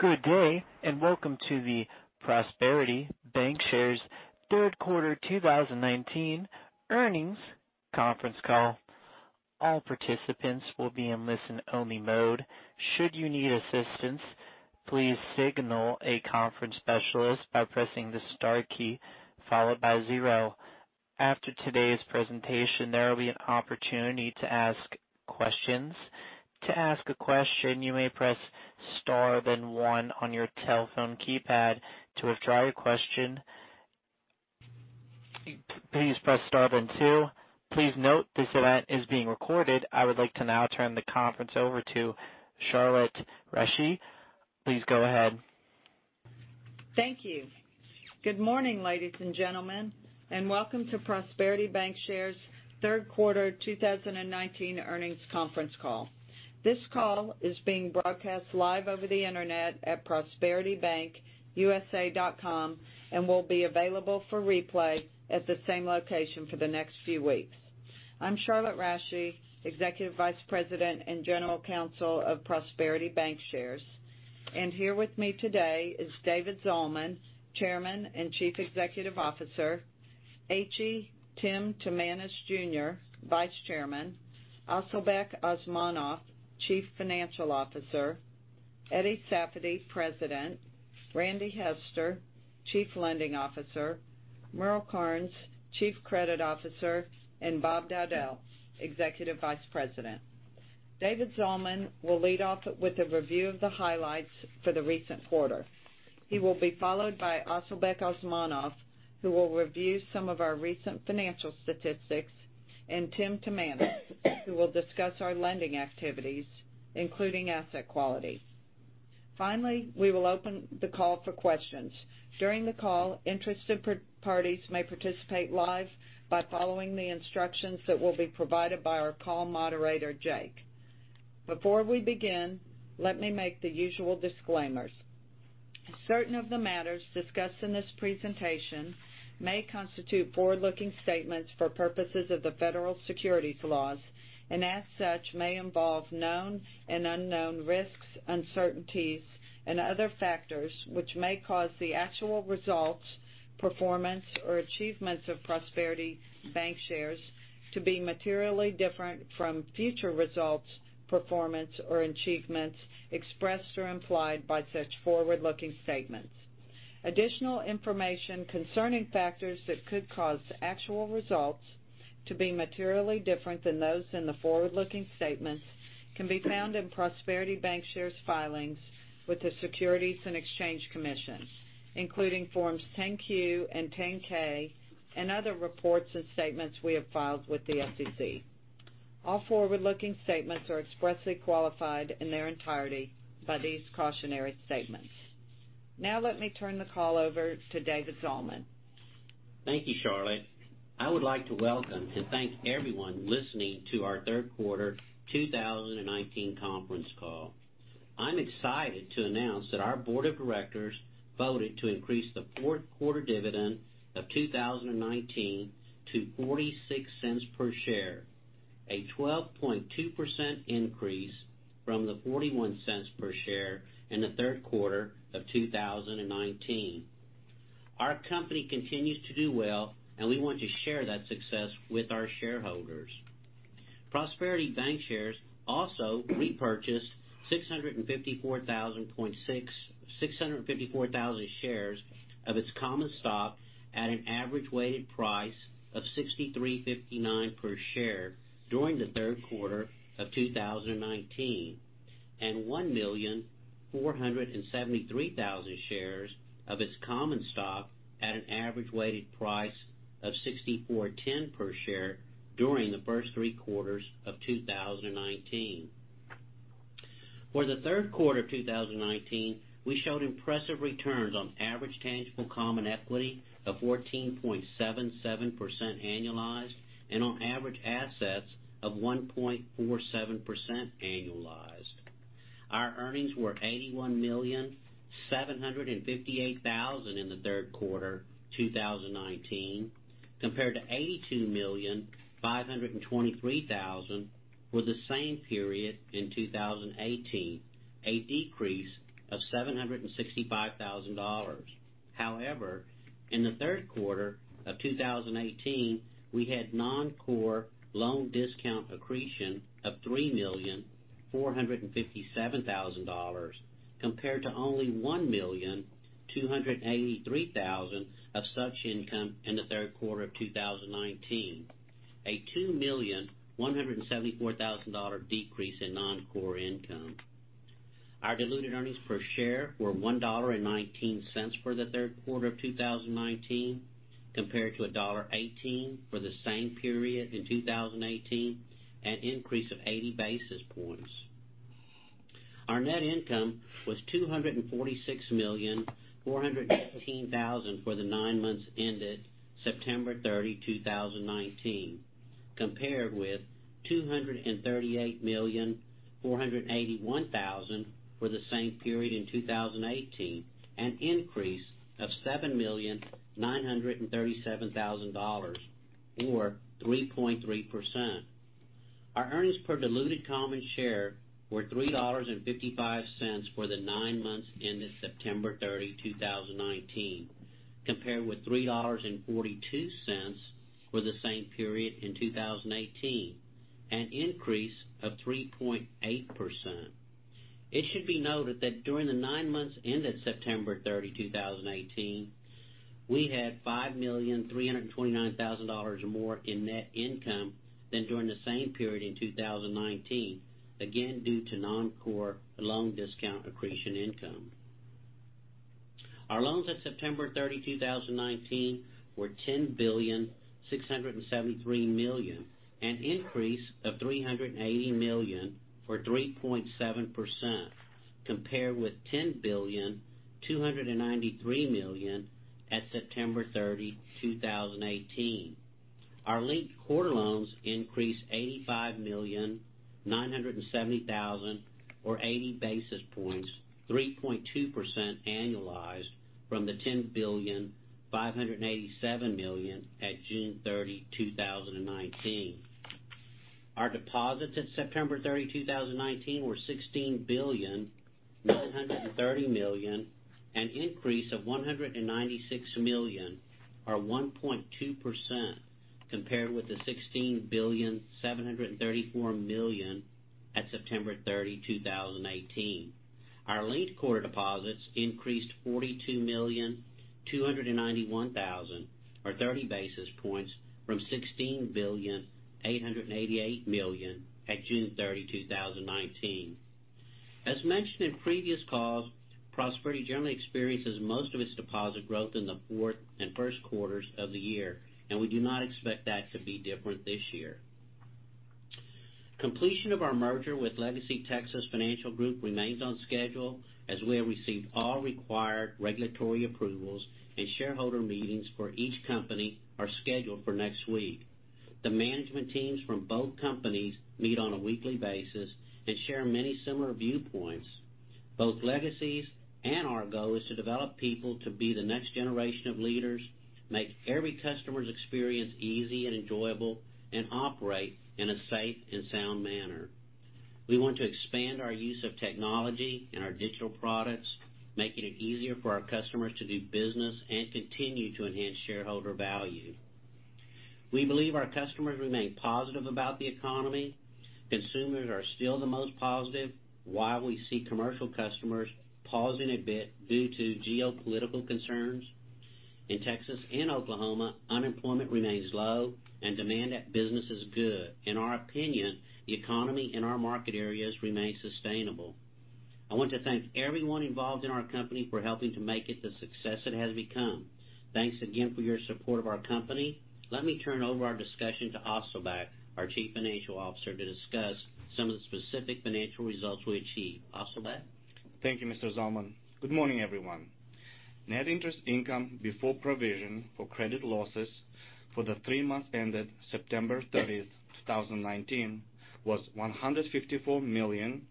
Good day, and welcome to the Prosperity Bancshares third quarter 2019 earnings conference call. All participants will be in listen-only mode. Should you need assistance, please signal a conference specialist by pressing the star key followed by zero. After today's presentation, there will be an opportunity to ask questions. To ask a question, you may press star, then one on your telephone keypad. To withdraw your question, please press star then two. Please note this event is being recorded. I would like to now turn the conference over to Charlotte Rasche. Please go ahead. Thank you. Good morning, ladies and gentlemen, and welcome to Prosperity Bancshares' third quarter 2019 earnings conference call. This call is being broadcast live over the internet at prosperitybankusa.com, and will be available for replay at the same location for the next few weeks. I'm Charlotte Rasche, Executive Vice President and General Counsel of Prosperity Bancshares. Here with me today is David Zalman, Chairman and Chief Executive Officer. H.E. Tim Timanus Jr., Vice Chairman. Asylbek Osmonov, Chief Financial Officer. Eddie Safady, President. Randy Hester, Chief Lending Officer. Merle Karnes, Chief Credit Officer, and Bob Dowdell, Executive Vice President. David Zalman will lead off with a review of the highlights for the recent quarter. He will be followed by Asylbek Osmonov, who will review some of our recent financial statistics, and Tim Timanus, who will discuss our lending activities, including asset quality. Finally, we will open the call for questions. During the call, interested parties may participate live by following the instructions that will be provided by our call moderator, Jake. Before we begin, let me make the usual disclaimers. Certain of the matters discussed in this presentation may constitute forward-looking statements for purposes of the federal securities laws, and as such, may involve known and unknown risks, uncertainties, and other factors, which may cause the actual results, performance, or achievements of Prosperity Bancshares to be materially different from future results, performance, or achievements expressed or implied by such forward-looking statements. Additional information concerning factors that could cause actual results to be materially different than those in the forward-looking statements can be found in Prosperity Bancshares' filings with the Securities and Exchange Commission, including Forms 10-Q and 10-K, and other reports and statements we have filed with the SEC. All forward-looking statements are expressly qualified in their entirety by these cautionary statements. Let me turn the call over to David Zalman. Thank you, Charlotte. I would like to welcome and thank everyone listening to our third quarter 2019 conference call. I'm excited to announce that our board of directors voted to increase the fourth quarter dividend of 2019 to $0.46 per share, a 12.2% increase from the $0.41 per share in the third quarter of 2019. Our company continues to do well, and we want to share that success with our shareholders. Prosperity Bancshares also repurchased 654,000 shares of its common stock at an average weighted price of $63.59 per share during the third quarter of 2019, and 1,473,000 shares of its common stock at an average weighted price of $64.10 per share during the first three quarters of 2019. For the third quarter of 2019, we showed impressive returns on average tangible common equity of 14.77% annualized and on average assets of 1.47% annualized. Our earnings were $81,758,000 in the third quarter 2019, compared to $82,523,000 for the same period in 2018, a decrease of $765,000. In the third quarter of 2018, we had non-core loan discount accretion of $3,457,000, compared to only $1,283,000 of such income in the third quarter of 2019, a $2,174,000 decrease in non-core income. Our diluted earnings per share were $1.19 for the third quarter of 2019, compared to $1.18 for the same period in 2018, an increase of 80 basis points. Our net income was $246,415,000 for the nine months ended September 30, 2019, compared with $238,481,000 for the same period in 2018, an increase of $7,937,000, or 3.3%. Our earnings per diluted common share were $3.55 for the nine months ended September 30, 2019, compared with $3.42 for the same period in 2018, an increase of 3.8%. It should be noted that during the nine months ended September 30, 2018, we had $5,329,000 more in net income than during the same period in 2019, again, due to non-core loan discount accretion income. Our loans at September 30, 2019, were $10,673,000,000, an increase of $380 million, or 3.7%, compared with $10,293,000 at September 30, 2018. Our linked quarter loans increased $85,970,000, or 80 basis points, 3.2% annualized from the $10,587,000,000 at June 30, 2019. Our deposits at September 30, 2019, were $16,130,000,000, an increase of 196 million, or 1.2%, compared with the $16,734,000,000 at September 30, 2018. Our linked quarter deposits increased 42,291,000, or 30 basis points from $16,888,000,000 at June 30, 2019. As mentioned in previous calls, Prosperity generally experiences most of its deposit growth in the fourth and first quarters of the year, and we do not expect that to be different this year. Completion of our merger with LegacyTexas Financial Group remains on schedule, as we have received all required regulatory approvals, and shareholder meetings for each company are scheduled for next week. The management teams from both companies meet on a weekly basis and share many similar viewpoints. Both Legacy's and our goal is to develop people to be the next generation of leaders, make every customer's experience easy and enjoyable, and operate in a safe and sound manner. We want to expand our use of technology and our digital products, making it easier for our customers to do business and continue to enhance shareholder value. We believe our customers remain positive about the economy. Consumers are still the most positive, while we see commercial customers pausing a bit due to geopolitical concerns. In Texas and Oklahoma, unemployment remains low and demand at business is good. In our opinion, the economy in our market areas remains sustainable. I want to thank everyone involved in our company for helping to make it the success it has become. Thanks again for your support of our company. Let me turn over our discussion to Asylbek, our Chief Financial Officer, to discuss some of the specific financial results we achieved. Asylbek? Thank you, Mr. Zalman. Good morning, everyone. Net interest income before provision for credit losses for the three months ended September 30, 2019, was $154 million,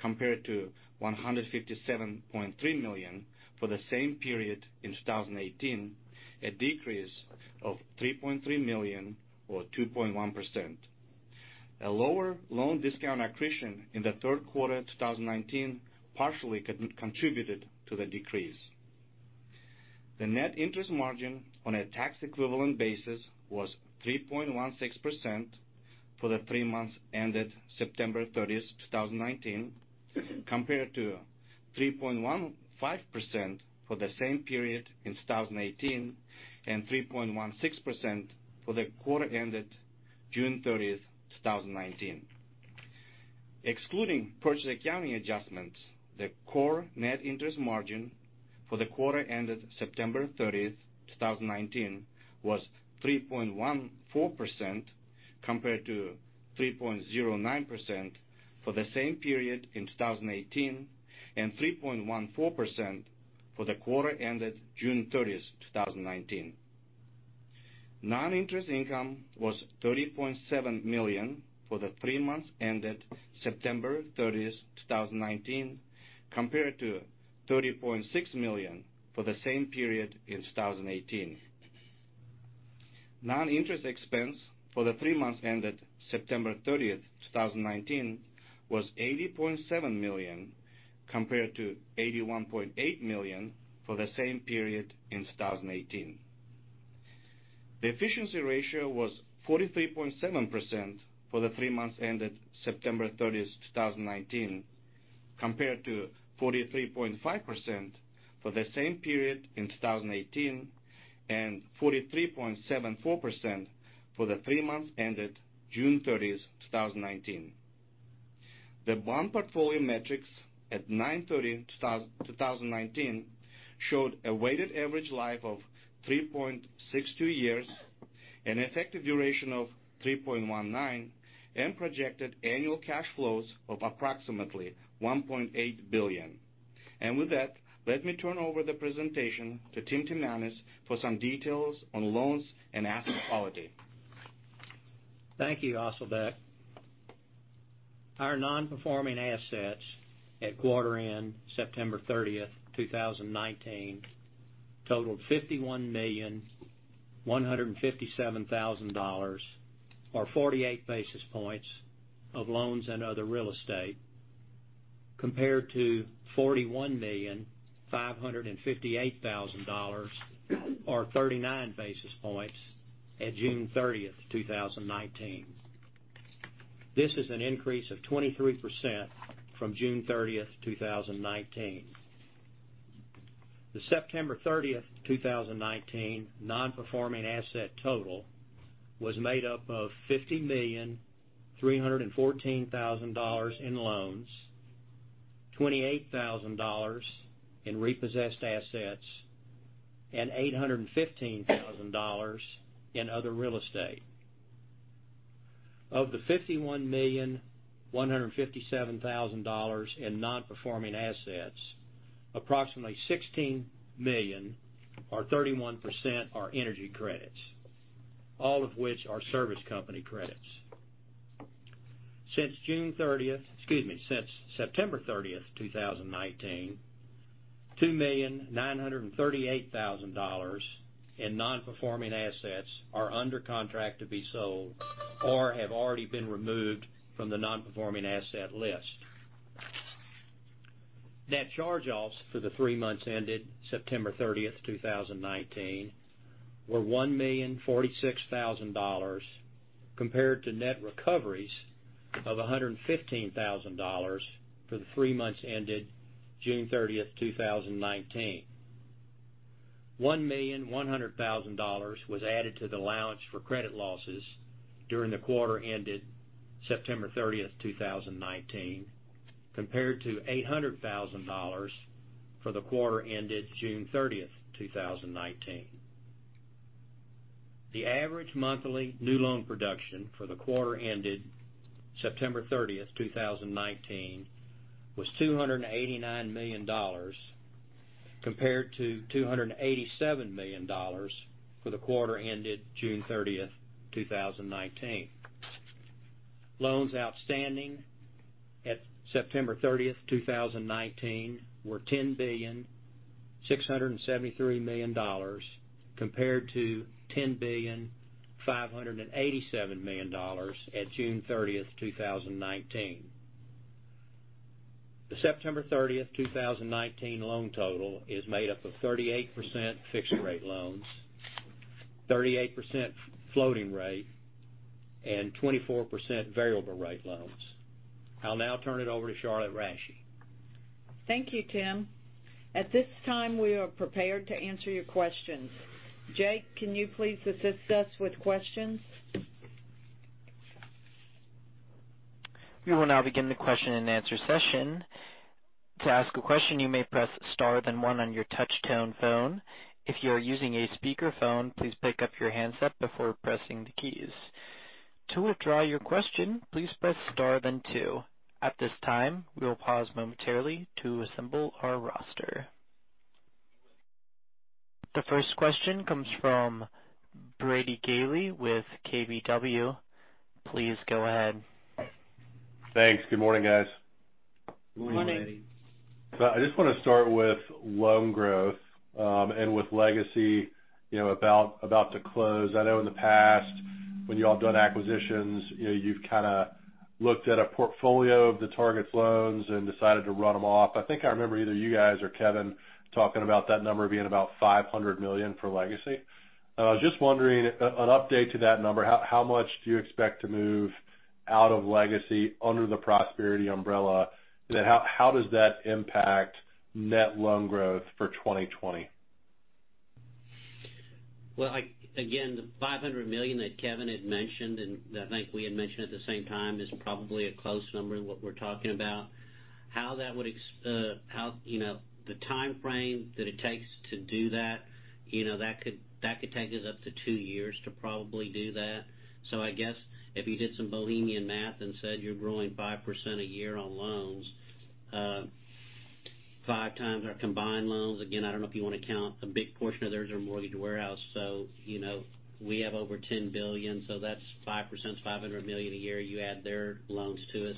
compared to $157.3 million for the same period in 2018, a decrease of $3.3 million, or 2.1%. A lower loan discount accretion in the third quarter of 2019 partially contributed to the decrease. The net interest margin on a tax equivalent basis was 3.16% for the three months ended September 30th, 2019, compared to 3.15% for the same period in 2018, and 3.16% for the quarter ended June 30th, 2019. Excluding purchase accounting adjustments, the core net interest margin for the quarter ended September 30th, 2019, was 3.14%, compared to 3.09% for the same period in 2018, and 3.14% for the quarter ended June 30th, 2019. Non-interest income was $30.7 million for the three months ended September 30th, 2019, compared to $30.6 million for the same period in 2018. Non-interest expense for the three months ended September 30th, 2019, was $80.7 million, compared to $81.8 million for the same period in 2018. The efficiency ratio was 43.7% for the three months ended September 30th, 2019, compared to 43.5% for the same period in 2018, and 43.74% for the three months ended June 30th, 2019. The bond portfolio metrics at 9/30/2019 showed a weighted average life of 3.62 years, an effective duration of 3.19, and projected annual cash flows of approximately $1.8 billion. With that, let me turn over the presentation to Tim Timanus for some details on loans and asset quality. Thank you, Asylbek. Our non-performing assets at quarter end September 30th, 2019, totaled $51,157,000 or 48 basis points of loans and other real estate, compared to $41,558,000 or 39 basis points at June 30th, 2019. This is an increase of 23% from June 30th, 2019. The September 30th, 2019 non-performing asset total was made up of $50,314,000 in loans, $28,000 in repossessed assets, and $815,000 in other real estate. Of the $51,157,000 in non-performing assets, approximately $16 million or 31% are energy credits, all of which are service company credits. Since September 30th, 2019, $2,938,000 in non-performing assets are under contract to be sold or have already been removed from the non-performing asset list. Net charge-offs for the three months ended September 30th, 2019, were $1,046,000 compared to net recoveries of $115,000 for the three months ended June 30th, 2019. $1,100,000 was added to the allowance for credit losses during the quarter ended September 30th, 2019, compared to $800,000 for the quarter ended June 30th, 2019. The average monthly new loan production for the quarter ended September 30th, 2019, was $289 million compared to $287 million for the quarter ended June 30th, 2019. Loans outstanding at September 30th, 2019, were $10,673,000,000 compared to $10,587,000,000 at June 30th, 2019. The September 30th, 2019 loan total is made up of 38% fixed rate loans, 38% floating rate, and 24% variable rate loans. I'll now turn it over to Charlotte Rasche. Thank you, Tim. At this time, we are prepared to answer your questions. Jake, can you please assist us with questions? We will now begin the question and answer session. To ask a question, you may press star then one on your touchtone phone. If you are using a speakerphone, please pick up your handset before pressing the keys. To withdraw your question, please press star then two. At this time, we will pause momentarily to assemble our roster. The first question comes from Brady Gailey with KBW. Please go ahead. Thanks. Good morning, guys. Good morning. Morning. I just want to start with loan growth, and with Legacy about to close. I know in the past when you all have done acquisitions, you've looked at a portfolio of the targets loans and decided to run them off. I think I remember either you guys or Kevin talking about that number being about $500 million for Legacy. I was just wondering, an update to that number, how much do you expect to move out of Legacy under the Prosperity umbrella? How does that impact net loan growth for 2020? Well, again, the $500 million that Kevin had mentioned, and I think we had mentioned at the same time, is probably a close number in what we're talking about. The time frame that it takes to do that could take us up to two years to probably do that. I guess if you did some back-of-the-envelope math and said you're growing 5% a year on loans, five times our combined loans, again, I don't know if you want to count, a big portion of theirs are mortgage warehouse, so we have over $10 billion, so that's 5%, $500 million a year. You add their loans to it.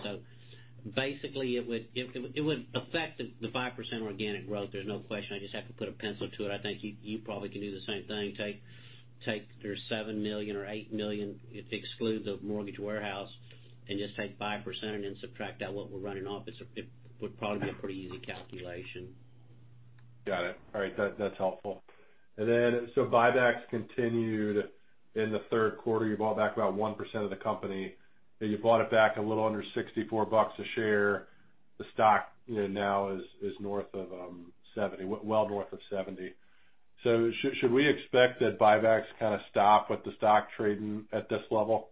Basically, it would affect the 5% organic growth, there's no question. I just have to put a pencil to it. I think you probably can do the same thing. Take their $7 million or $8 million, if you exclude the mortgage warehouse, and just take 5% and then subtract out what we're running off. It would probably be a pretty easy calculation. Got it. All right. That's helpful. Buybacks continued in the third quarter. You bought back about 1% of the company, and you bought it back a little under $64 a share. The stock now is well north of 70. Should we expect that buybacks kind of stop with the stock trading at this level?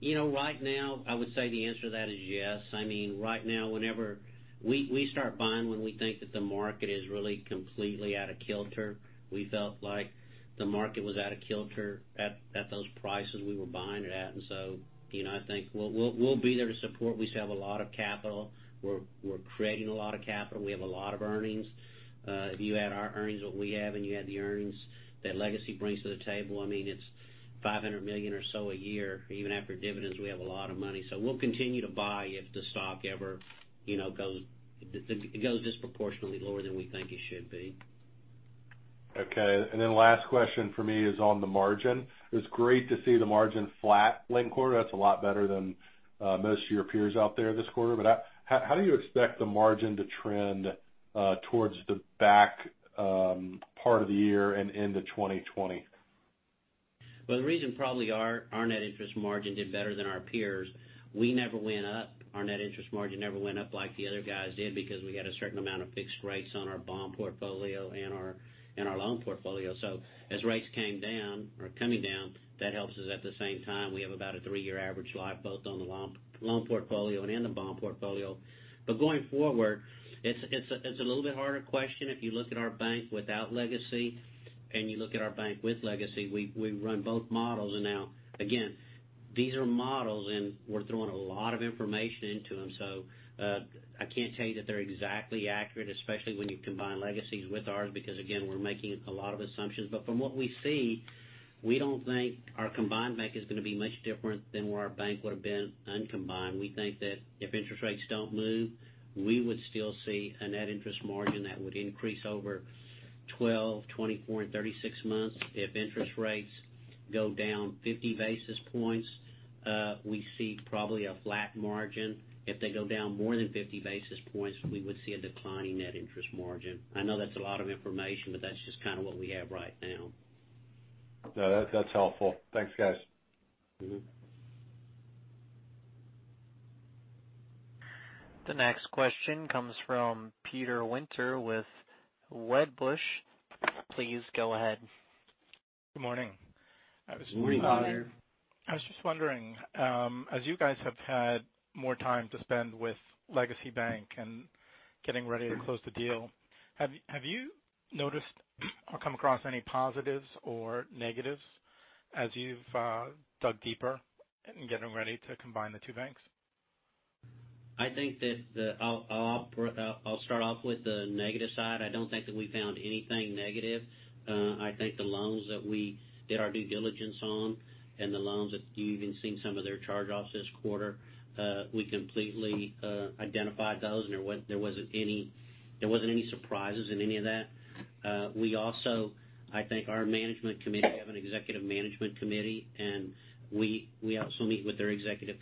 Right now, I would say the answer to that is yes. We start buying when we think that the market is really completely out of kilter. We felt like the market was out of kilter at those prices we were buying it at. I think we'll be there to support. We still have a lot of capital. We're creating a lot of capital. We have a lot of earnings. If you add our earnings, what we have, and you add the earnings that Legacy brings to the table, it's $500 million or so a year. Even after dividends, we have a lot of money. We'll continue to buy if the stock ever goes disproportionately lower than we think it should be. Okay. Last question for me is on the margin. It's great to see the margin flat linked quarter. That's a lot better than most of your peers out there this quarter. How do you expect the margin to trend towards the back part of the year and into 2020? Well, the reason probably our net interest margin did better than our peers, we never went up. Our net interest margin never went up like the other guys did because we got a certain amount of fixed rates on our bond portfolio and our loan portfolio. As rates came down or are coming down, that helps us. At the same time, we have about a 3-year average life, both on the loan portfolio and in the bond portfolio. Going forward, it's a little bit harder question. If you look at our bank without Legacy and you look at our bank with Legacy, we run both models. Now again, these are models, and we're throwing a lot of information into them. I can't tell you that they're exactly accurate, especially when you combine Legacy's with ours, because, again, we're making a lot of assumptions. From what we see, we don't think our combined bank is going to be much different than where our bank would have been uncombined. We think that if interest rates don't move, we would still see a net interest margin that would increase over 12, 24, and 36 months. If interest rates go down 50 basis points, we see probably a flat margin. If they go down more than 50 basis points, we would see a decline in net interest margin. I know that's a lot of information, but that's just kind of what we have right now. No, that's helpful. Thanks, guys. The next question comes from Peter Winter with Wedbush. Please go ahead. Good morning. Morning. I was just wondering, as you guys have had more time to spend with LegacyTexas Bank and getting ready to close the deal, have you noticed or come across any positives or negatives as you've dug deeper in getting ready to combine the two banks? I'll start off with the negative side. I don't think that we found anything negative. I think the loans that we did our due diligence on and the loans that you even seen some of their charge-offs this quarter, we completely identified those, and there wasn't any surprises in any of that. We also, I think our management committee have an Executive Management Committee, and we also meet with their Executive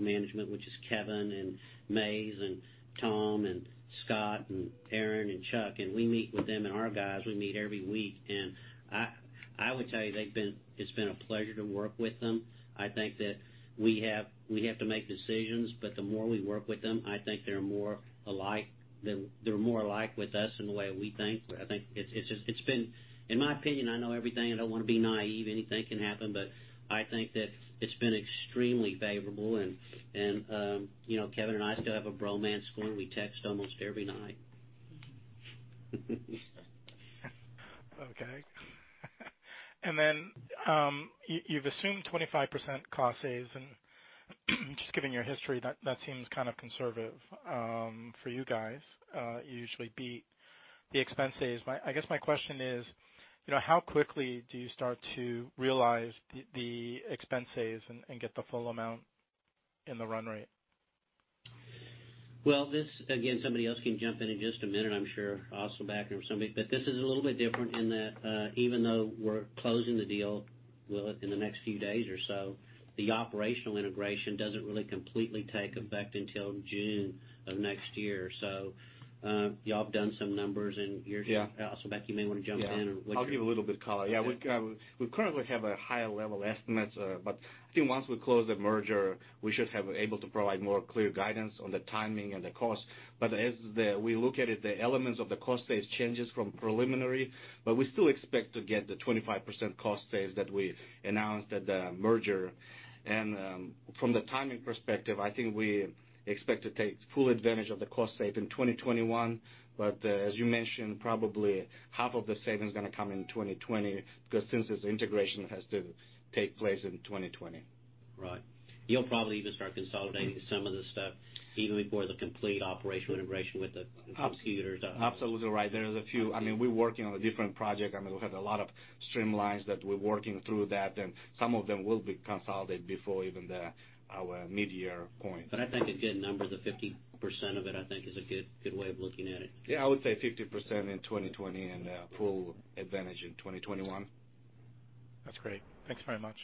Management, which is Kevin and Maysel and Tom and Scott and Aron and Chuck. We meet with them and our guys, we meet every week. I would tell you it's been a pleasure to work with them. I think that we have to make decisions, but the more we work with them, I think they're more alike with us in the way we think. In my opinion, I know everything. I don't want to be naive. Anything can happen, I think that it's been extremely favorable. Kevin and I still have a bromance going. We text almost every night. Okay. You've assumed 25% cost saves and just given your history, that seems kind of conservative for you guys. You usually beat the expense saves. I guess my question is, how quickly do you start to realize the expense saves and get the full amount in the run rate? Well, this, again, somebody else can jump in in just a minute, I'm sure, Asylbek or somebody. This is a little bit different in that even though we're closing the deal in the next few days or so, the operational integration doesn't really completely take effect until June of next year. Y'all have done some numbers and you're Yeah. Asylbek, you may want to jump in. Yeah. I'll give a little bit color. We currently have a higher level estimates, but I think once we close the merger, we should have able to provide more clear guidance on the timing and the cost. As we look at it, the elements of the cost base changes from preliminary, but we still expect to get the 25% cost saves that we announced at the merger. From the timing perspective, I think we expect to take full advantage of the cost save in 2021. As you mentioned, probably half of the savings going to come in 2020 because since this integration has to take place in 2020. Right. You'll probably even start consolidating some of the stuff even before the complete operational integration with the computers. Absolutely right. I mean, we're working on a different project. I mean, we have a lot of streamlines that we're working through that. Some of them will be consolidated before even our midyear point. I think a good number, the 50% of it, I think is a good way of looking at it. Yeah, I would say 50% in 2020 and full advantage in 2021. That's great. Thanks very much.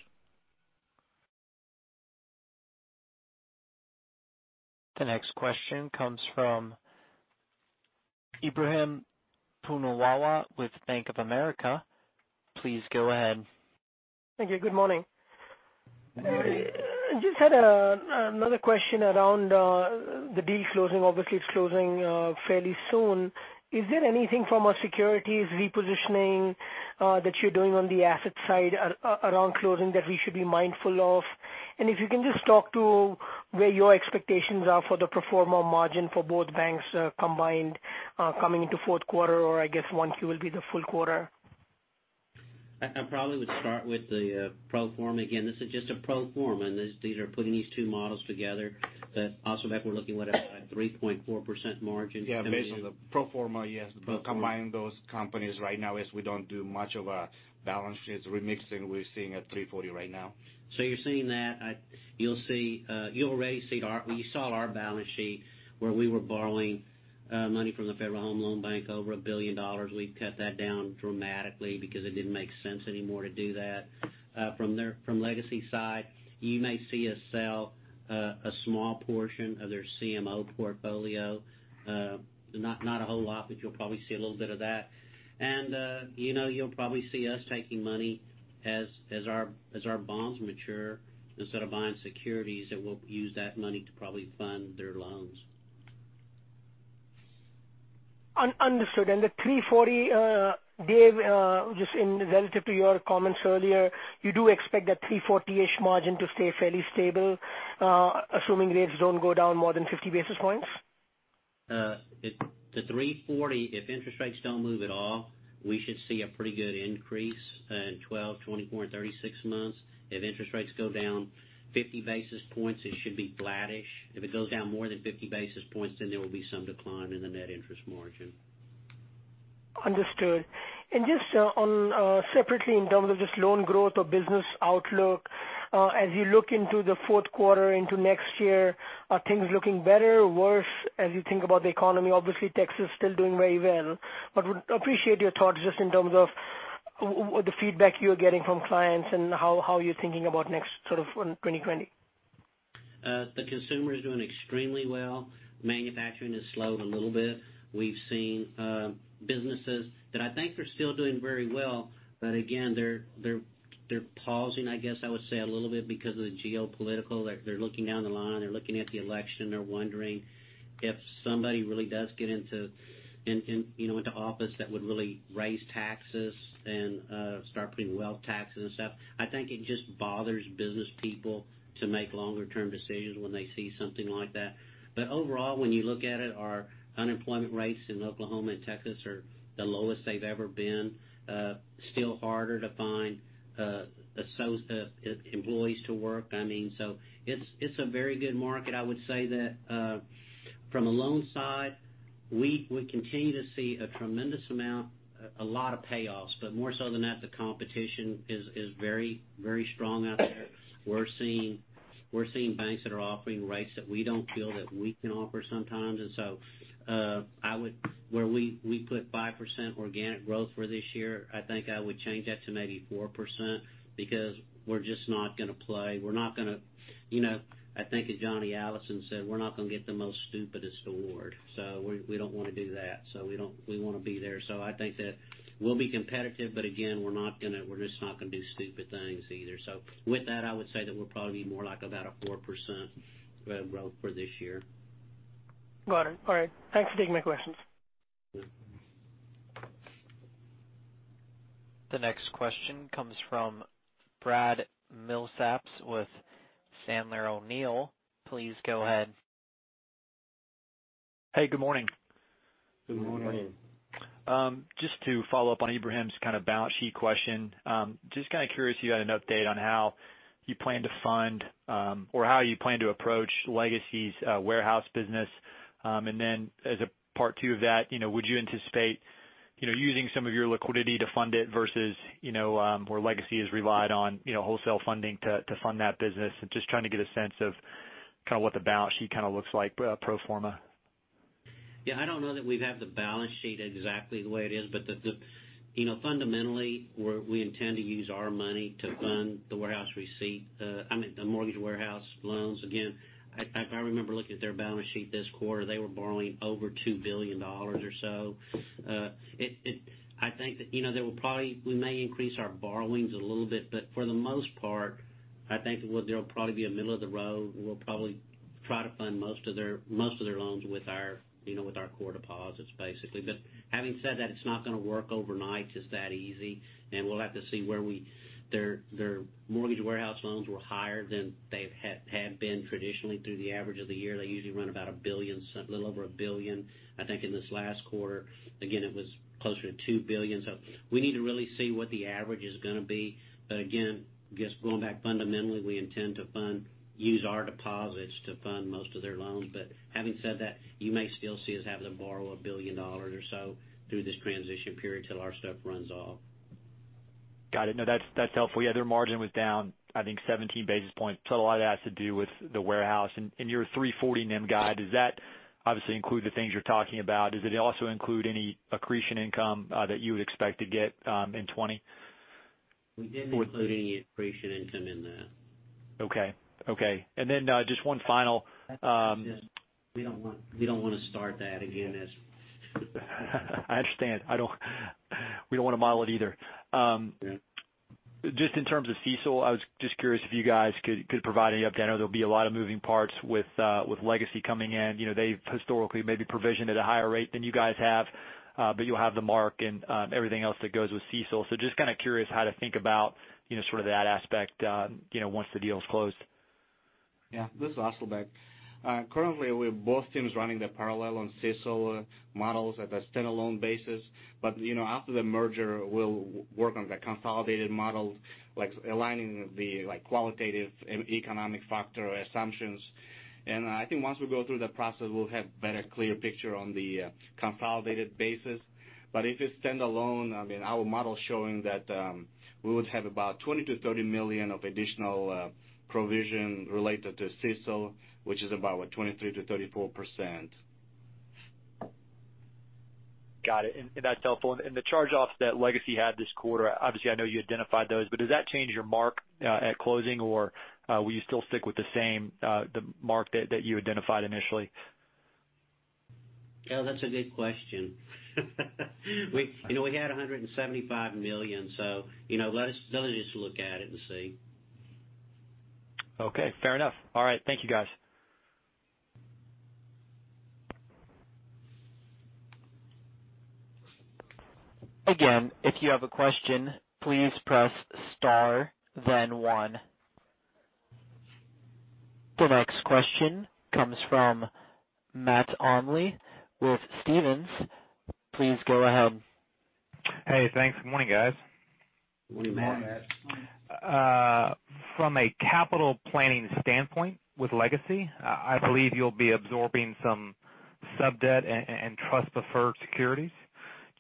The next question comes from Ebrahim Poonawala with Bank of America. Please go ahead. Thank you. Good morning. Morning. I just had another question around the deal closing. Obviously, it's closing fairly soon. Is there anything from a securities repositioning that you're doing on the asset side around closing that we should be mindful of? If you can just talk to where your expectations are for the pro forma margin for both banks combined, coming into fourth quarter or I guess once you will be the full quarter. I probably would start with the pro forma. Again, this is just a pro forma, and these are putting these two models together that also we're looking at a 3.4% margin. Yeah, based on the pro forma, yes. Pro forma. Combine those companies right now as we don't do much of a balance sheets remixing. We're sitting at 340 right now. You're seeing that. You saw our balance sheet where we were borrowing money from the Federal Home Loan Bank, over $1 billion. We've cut that down dramatically because it didn't make sense anymore to do that. From LegacyTexas side, you may see us sell a small portion of their CMO portfolio. Not a whole lot, but you'll probably see a little bit of that. You'll probably see us taking money as our bonds mature. Instead of buying securities, then we'll use that money to probably fund their loans. Understood. The 340, Dave, just relative to your comments earlier, you do expect that 340-ish margin to stay fairly stable, assuming rates don't go down more than 50 basis points? The 340, if interest rates don't move at all, we should see a pretty good increase in 12, 24, and 36 months. If interest rates go down 50 basis points, it should be flattish. If it goes down more than 50 basis points, there will be some decline in the net interest margin. Understood. Just separately in terms of just loan growth or business outlook, as you look into the fourth quarter into next year, are things looking better or worse as you think about the economy? Obviously, Texas is still doing very well, but would appreciate your thoughts just in terms of the feedback you're getting from clients and how you're thinking about next sort of on 2020. The consumer is doing extremely well. Manufacturing has slowed a little bit. We've seen businesses that I think are still doing very well, but again, they're pausing, I guess I would say, a little bit because of the geopolitical. They're looking down the line. They're looking at the election. They're wondering if somebody really does get into office that would really raise taxes and start putting wealth taxes and stuff. I think it just bothers business people to make longer-term decisions when they see something like that. Overall, when you look at it, our unemployment rates in Oklahoma and Texas are the lowest they've ever been. Still harder to find employees to work. It's a very good market. I would say that from a loan side, we continue to see a tremendous amount, a lot of payoffs. More so than that, the competition is very strong out there. We're seeing banks that are offering rates that we don't feel that we can offer sometimes. Where we put 5% organic growth for this year, I think I would change that to maybe 4% because we're just not going to play. I think as Johnny Allison said, we're not going to get the most stupidest award. We don't want to do that. We want to be there. I think that we'll be competitive. Again, we're just not going to do stupid things either. With that, I would say that we'll probably be more like about a 4% growth for this year. Got it. All right. Thanks for taking my questions. The next question comes from Brad Milsaps with Sandler O'Neill. Please go ahead. Hey, good morning. Good morning. Morning. Just to follow up on Ebrahim's kind of balance sheet question. Just kind of curious if you had an update on how you plan to fund or how you plan to approach Legacy's warehouse business. As a part two of that, would you anticipate using some of your liquidity to fund it versus where Legacy has relied on wholesale funding to fund that business? Just trying to get a sense of kind of what the balance sheet kind of looks like pro forma. Yeah, I don't know that we'd have the balance sheet exactly the way it is, but fundamentally, we intend to use our money to fund the mortgage warehouse loans. If I remember looking at their balance sheet this quarter, they were borrowing over $2 billion or so. I think that we may increase our borrowings a little bit, but for the most part, I think they'll probably be a middle-of-the-road. We'll probably try to fund most of their loans with our core deposits, basically. Having said that, it's not going to work overnight just that easy, and we'll have to see. Their mortgage warehouse loans were higher than they have been traditionally through the average of the year. They usually run about $1 billion, a little over $1 billion. I think in this last quarter, it was closer to $2 billion. We need to really see what the average is going to be. Again, just going back fundamentally, we intend to use our deposits to fund most of their loans. Having said that, you may still see us having to borrow $1 billion or so through this transition period till our stuff runs off. Got it. No, that's helpful. Yeah, their margin was down, I think, 17 basis points. A lot of that has to do with the warehouse. Your 340 NIM guide, does that obviously include the things you're talking about? Does it also include any accretion income that you would expect to get in 2020? We didn't include any accretion income in that. Okay. We don't want to start that again, as. I understand. We don't want to model it either. Yeah. In terms of CECL, I was just curious if you guys could provide any update. I know there'll be a lot of moving parts with LegacyTexas coming in. They've historically maybe provisioned at a higher rate than you guys have, you'll have the mark and everything else that goes with CECL. Just kind of curious how to think about sort of that aspect once the deal's closed. Yeah, this is Asylbek Osmonov. Currently, we're both teams running the parallel on CECL models at a standalone basis. After the merger, we'll work on the consolidated model, aligning the qualitative and economic factor assumptions. I think once we go through that process, we'll have better clear picture on the consolidated basis. If it's standalone, our model's showing that we would have about $20 million-$30 million of additional provision related to CECL, which is about what? 23%-34%. Got it. That's helpful. The charge-offs that Legacy had this quarter, obviously, I know you identified those, but does that change your mark at closing, or will you still stick with the same mark that you identified initially? Yeah, that's a good question. We had $175 million. Let us look at it and see. Okay, fair enough. All right, thank you, guys. Again, if you have a question, please press star then one. The next question comes from Matt Olney with Stephens. Please go ahead. Hey, thanks. Good morning, guys. Good morning, Matt. Morning. From a capital planning standpoint with Legacy, I believe you'll be absorbing some sub-debt and trust-preferred securities.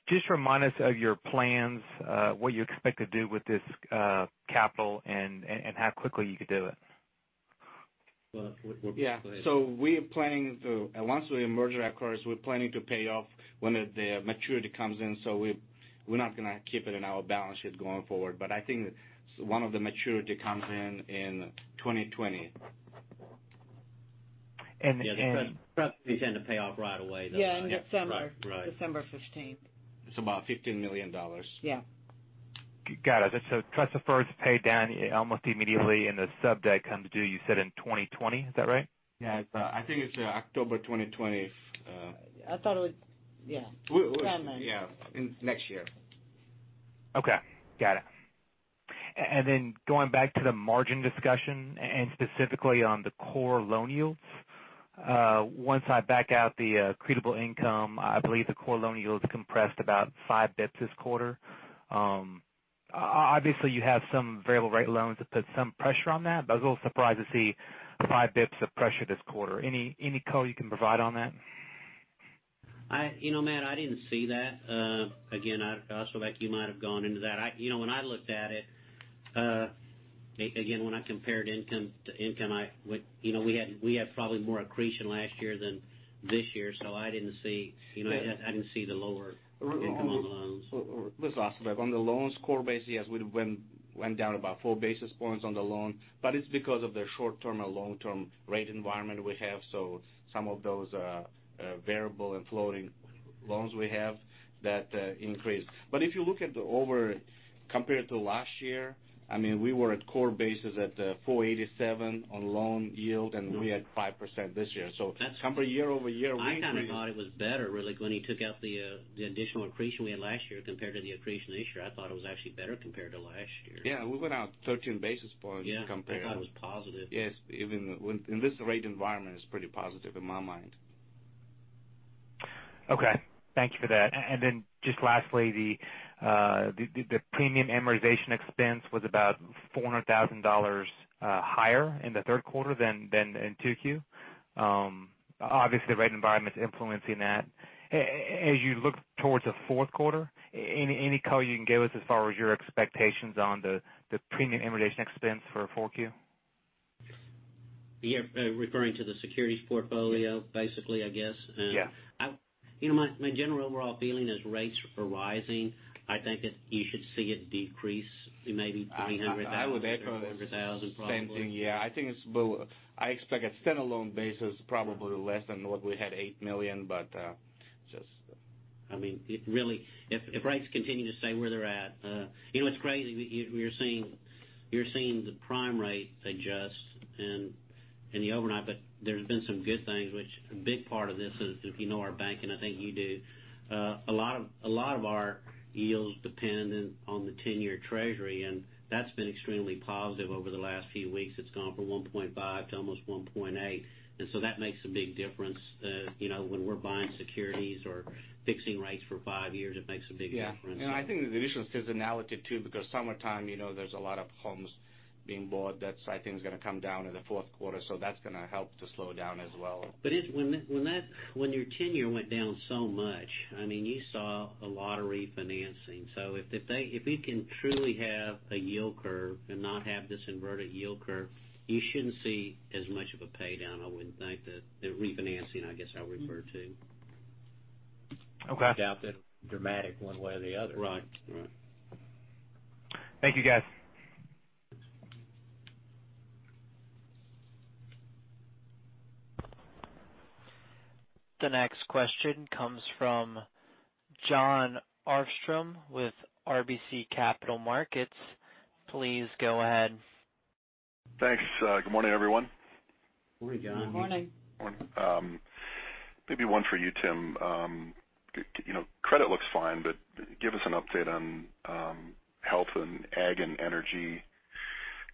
Just remind us of your plans, what you expect to do with this capital, and how quickly you could do it. Well. Yeah. Once we merge, of course, we're planning to pay off when the maturity comes in. We're not going to keep it in our balance sheet going forward. I think one of the maturity comes in in 2020. Yeah, the trust tend to pay off right away, though, right? Yeah, in December. Right. December 15th. It's about $15 million. Yeah. Got it. Trust-preferreds pay down almost immediately, and the sub-debt comes due, you said in 2020. Is that right? Yeah. I think it's October 2020. I thought it was. Yeah. It's that month. Yeah. In next year. Okay. Got it. Going back to the margin discussion and specifically on the core loan yields. Once I back out the creditable income, I believe the core loan yield is compressed about five basis points this quarter. Obviously, you have some variable rate loans that put some pressure on that, I was a little surprised to see five basis points of pressure this quarter. Any color you can provide on that? Matt, I didn't see that. Asylbek, you might have gone into that. When I looked at it, again, when I compared income to income, we had probably more accretion last year than this year, I didn't see the lower income on the loans. This is Asylbek. On the loans core base, yes, we went down about four basis points on the loan, it's because of the short-term and long-term rate environment we have. Some of those are variable and floating loans we have that increased. If you look at compared to last year, we were at core basis at 487 on loan yield, and we're at 5% this year. Compare year-over-year, we increased. I kind of thought it was better, really, when you took out the additional accretion we had last year compared to the accretion this year. I thought it was actually better compared to last year. Yeah. We went out 13 basis points compared- Yeah. I thought it was positive. Yes. Even in this rate environment, it's pretty positive in my mind. Okay. Thank you for that. Just lastly, the premium amortization expense was about $400,000 higher in the third quarter than in 2Q. Obviously, the rate environment's influencing that. You look towards the fourth quarter, any color you can give us as far as your expectations on the premium amortization expense for 4Q? You're referring to the securities portfolio basically, I guess? Yes. My general overall feeling as rates are rising, I think you should see it decrease maybe $300,000. I would echo the same thing. Yeah. I expect a standalone basis, probably less than what we had $8 million, but just If rates continue to stay where they're at. It's crazy. You're seeing the prime rate adjust in the overnight. There's been some good things which a big part of this is if you know our banking, I think you do. A lot of our yields dependent on the 10-year Treasury. That's been extremely positive over the last few weeks. It's gone from 1.5 to almost 1.8. That makes a big difference when we're buying securities or fixing rates for five years, it makes a big difference. Yeah. I think there's additional seasonality too, because summertime, there's a lot of homes being bought. That, I think, is going to come down in the fourth quarter. That's going to help to slow down as well. When your tenure went down so much, you saw a lot of refinancing. If we can truly have a yield curve and not have this inverted yield curve, you shouldn't see as much of a pay down, I wouldn't think, the refinancing, I guess I'll refer to. Okay. I doubt that it will be dramatic one way or the other. Right. Right. Thank you, guys. The next question comes from Jon Arfstrom with RBC Capital Markets. Please go ahead. Thanks. Good morning, everyone. Morning, Jon. Good morning. Maybe one for you, Tim. Credit looks fine, but give us an update on health and ag and energy,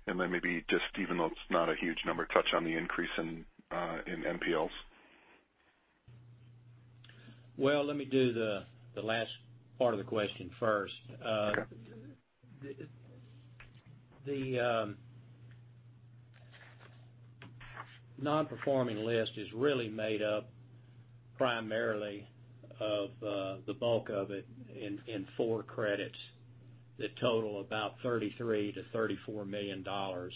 then maybe just, even though it's not a huge number, touch on the increase in NPLs. Well, let me do the last part of the question first. Okay. The Non-performing list is really made up primarily of the bulk of it in 4 credits that total about $33 million-$34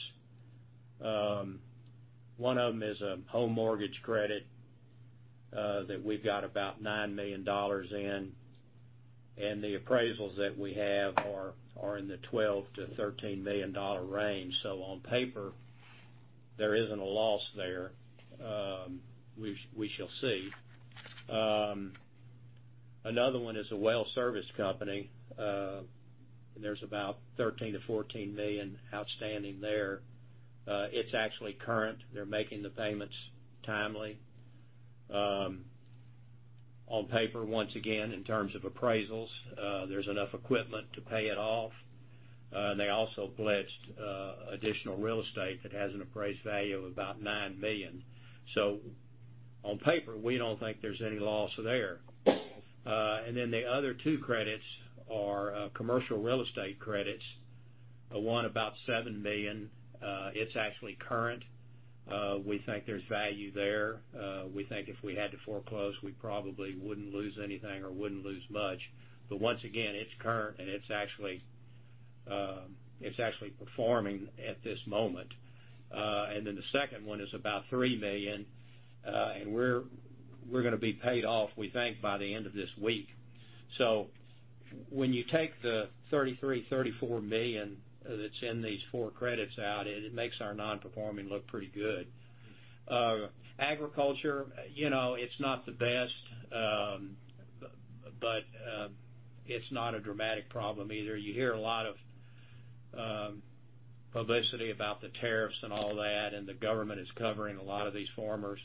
million. One of them is a home mortgage credit, that we've got about $9 million in, and the appraisals that we have are in the $12 million-$13 million range. On paper, there isn't a loss there. We shall see. Another one is a well service company, and there's about $13 million-$14 million outstanding there. It's actually current. They're making the payments timely. On paper, once again, in terms of appraisals, there's enough equipment to pay it off. They also pledged additional real estate that has an appraised value of about $9 million. On paper, we don't think there's any loss there. The other 2 credits are commercial real estate credits. One about $7 million. It's actually current. We think there's value there. We think if we had to foreclose, we probably wouldn't lose anything or wouldn't lose much. Once again, it's current, and it's actually performing at this moment. The second one is about $3 million, and we're going to be paid off, we think, by the end of this week. When you take the $33, $34 million that's in these four credits out, it makes our non-performing look pretty good. Agriculture, it's not the best, but it's not a dramatic problem either. You hear a lot of publicity about the tariffs and all that, and the government is covering a lot of these farmers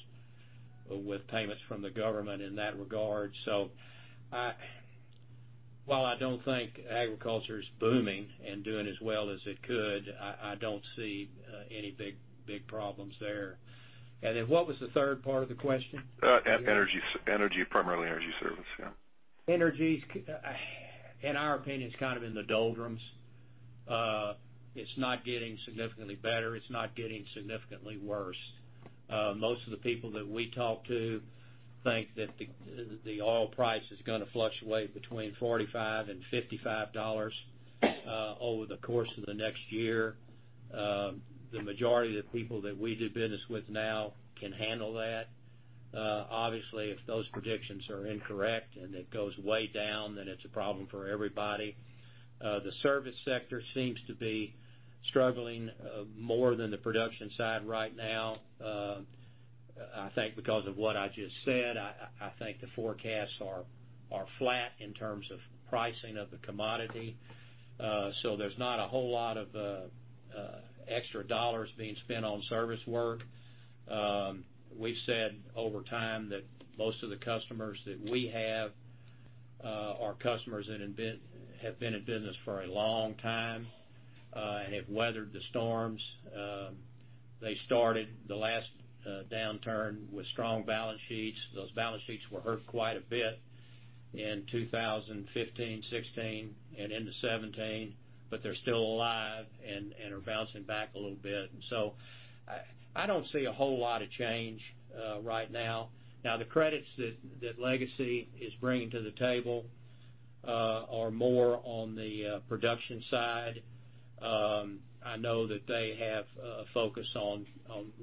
with payments from the government in that regard. While I don't think agriculture is booming and doing as well as it could, I don't see any big problems there. What was the third part of the question? Energy, primarily energy service. Yeah. Energy, in our opinion, is kind of in the doldrums. It's not getting significantly better. It's not getting significantly worse. Most of the people that we talk to think that the oil price is going to fluctuate between $45-$55 over the course of the next year. The majority of the people that we do business with now can handle that. Obviously, if those predictions are incorrect and it goes way down, then it's a problem for everybody. The service sector seems to be struggling more than the production side right now. I think because of what I just said, I think the forecasts are flat in terms of pricing of the commodity. There's not a whole lot of extra dollars being spent on service work. We've said over time that most of the customers that we have are customers that have been in business for a long time, and have weathered the storms. They started the last downturn with strong balance sheets. Those balance sheets were hurt quite a bit in 2015, 2016, and into 2017, but they're still alive and are bouncing back a little bit. I don't see a whole lot of change right now. Now, the credits that Legacy is bringing to the table are more on the production side. I know that they have a focus on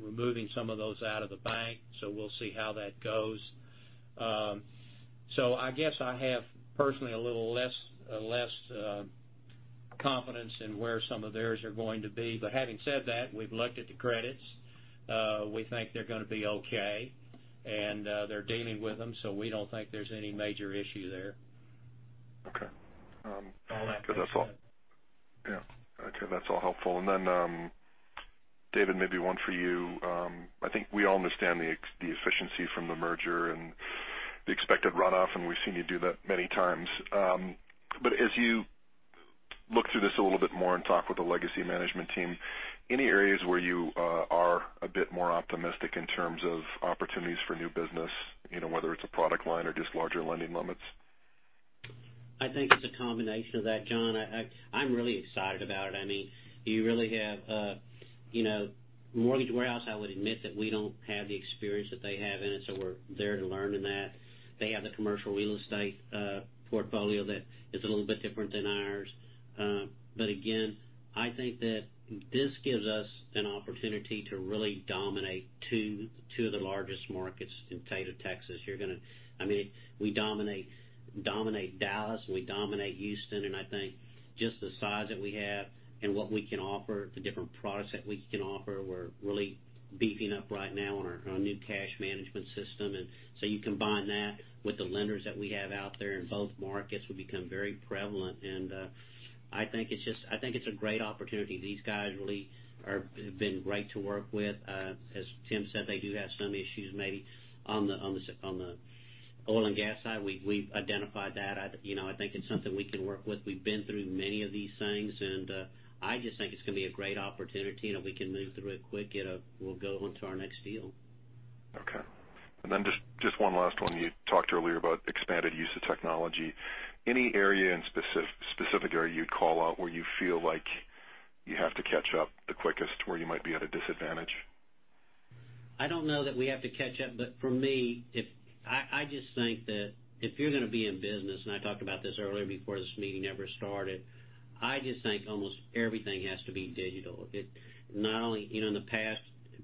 removing some of those out of the bank, so we'll see how that goes. I guess I have personally a little less confidence in where some of theirs are going to be. Having said that, we've looked at the credits. We think they're going to be okay, and they're dealing with them, so we don't think there's any major issue there. Okay. All that being said. Okay, that's all helpful. David, maybe one for you. I think we all understand the efficiency from the merger and the expected runoff, and we've seen you do that many times. As you look through this a little bit more and talk with the Legacy management team, any areas where you are a bit more optimistic in terms of opportunities for new business, whether it's a product line or just larger lending limits? I think it's a combination of that, Jon. I'm really excited about it. mortgage warehouse, I would admit that we don't have the experience that they have in it, so we're there to learn in that. They have the commercial real estate portfolio that is a little bit different than ours. Again, I think that this gives us an opportunity to really dominate two of the largest markets in the state of Texas. We dominate Dallas, and we dominate Houston, and I think just the size that we have and what we can offer, the different products that we can offer, we're really beefing up right now on our new cash management system. You combine with the lenders that we have out there in both markets will become very prevalent, and I think it's a great opportunity. These guys really have been great to work with. As Tim said, they do have some issues maybe on the oil and gas side. We've identified that. I think it's something we can work with. We've been through many of these things, and I just think it's going to be a great opportunity and we can move through it quick, and we'll go onto our next deal. Okay. Just one last one. You talked earlier about expanded use of technology. Any area in specific, or you'd call out where you feel like you have to catch up the quickest, where you might be at a disadvantage? I don't know that we have to catch up, but for me, I just think that if you're going to be in business, and I talked about this earlier before this meeting ever started, I just think almost everything has to be digital. In the past,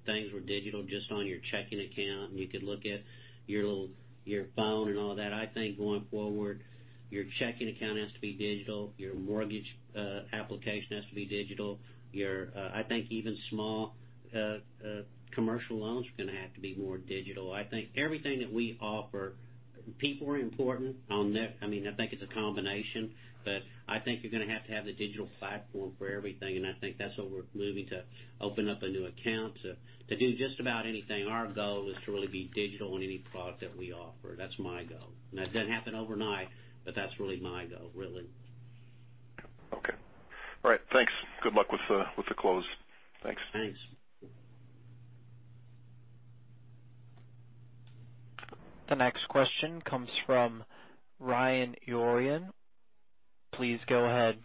things were digital just on your checking account, and you could look at your phone and all that. I think going forward, your checking account has to be digital, your mortgage application has to be digital. I think even small commercial loans are going to have to be more digital. I think everything that we offer, people are important. I think it's a combination, but I think you're going to have to have the digital platform for everything, and I think that's what we're moving to open up a new account to do just about anything. Our goal is to really be digital in any product that we offer. That's my goal. That doesn't happen overnight, but that's really my goal, really. Okay. All right, thanks. Good luck with the close. Thanks. The next question comes from Ryan Orian. Please go ahead.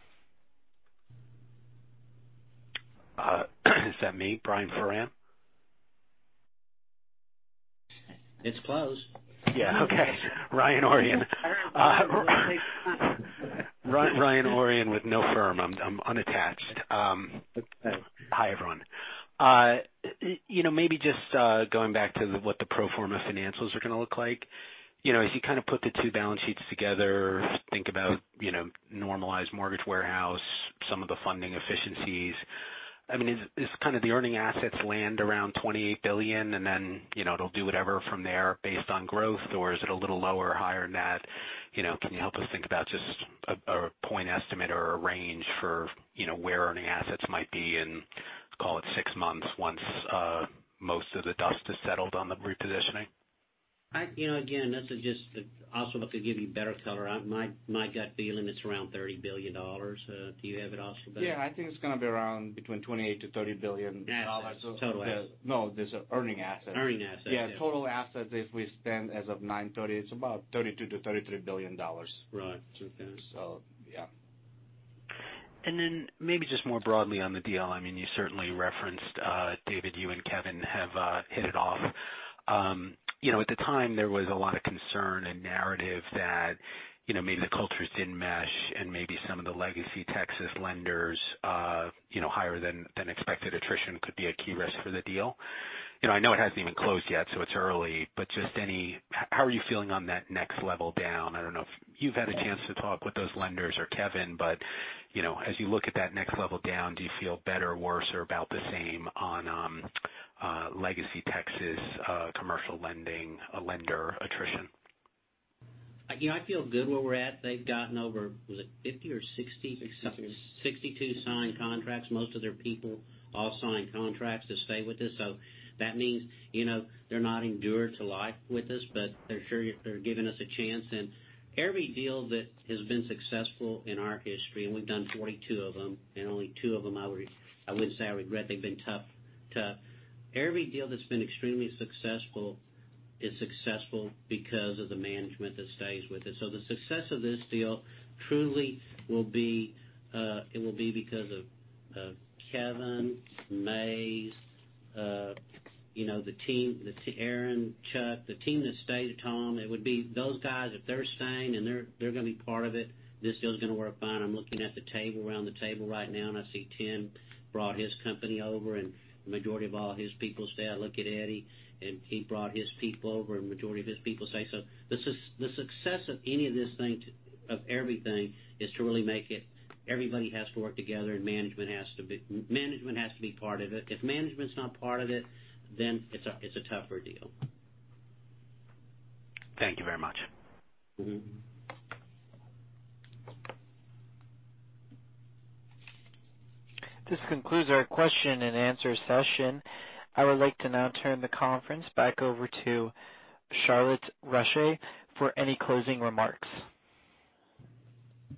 Is that me, Brian Ferran? It's closed. Yeah. Okay. Ryan Orian. Ryan Orian with no firm. I'm unattached. Hi, everyone. Maybe just going back to what the pro forma financials are going to look like. As you kind of put the two balance sheets together, think about normalized mortgage warehouse, some of the funding efficiencies. Is kind of the earning assets land around $28 billion, and then it'll do whatever from there based on growth? Is it a little lower or higher than that? Can you help us think about just a point estimate or a range for where earning assets might be in, call it six months, once most of the dust is settled on the repositioning? Again, Asylbek could give you better color. My gut feeling it's around $30 billion. Do you have it, Asylbek? Yeah, I think it's going to be around between $28 billion-$30 billion. Total assets. No, these are earning assets. Earning assets. Yeah, total assets, if we stand as of nine-thirty, it's about $32 billion-$33 billion. Right. Yeah. Then maybe just more broadly on the deal, you certainly referenced, David, you and Kevin have hit it off. At the time, there was a lot of concern and narrative that maybe the cultures didn't mesh and maybe some of the LegacyTexas lenders, higher than expected attrition could be a key risk for the deal. I know it hasn't even closed yet, it's early, but how are you feeling on that next level down? I don't know if you've had a chance to talk with those lenders or Kevin, but as you look at that next level down, do you feel better or worse or about the same on LegacyTexas commercial lending lender attrition? I feel good where we're at. They've gotten over, was it 50 or 60? Sixty-two. 62 signed contracts. Most of their people all signed contracts to stay with us. That means they're not endured to life with us, but they're giving us a chance. Every deal that has been successful in our history, and we've done 42 of them, and only two of them I would say I regret, they've been tough. Every deal that's been extremely successful is successful because of the management that stays with it. The success of this deal truly will be because of Kevin, Maysel, Aron, Chuck, the team that stayed, Tom. It would be those guys, if they're staying and they're going to be part of it, this deal's going to work fine. I'm looking at the table, around the table right now, I see Tim brought his company over and the majority of all his people stay. I look at Eddie, and he brought his people over, and majority of his people say so. The success of any of this thing, of everything, is to really make it everybody has to work together and management has to be part of it. If management's not part of it, then it's a tougher deal. Thank you very much. This concludes our question and answer session. I would like to now turn the conference back over to Charlotte Rasche for any closing remarks.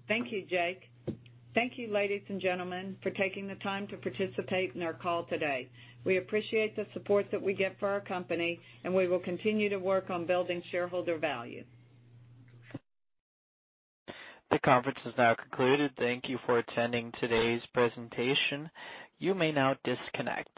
Thank you, Jake. Thank you, ladies and gentlemen, for taking the time to participate in our call today. We appreciate the support that we get for our company, and we will continue to work on building shareholder value. The conference is now concluded. Thank you for attending today's presentation. You may now disconnect.